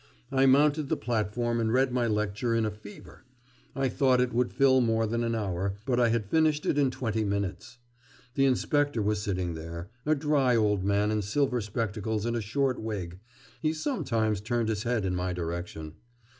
I mounted the platform and read my lecture in a fever; I thought it would fill more than an hour, but I had finished it in twenty minutes. The inspector was sitting there a dry old man in silver spectacles and a short wig he sometimes turned his head in my direction.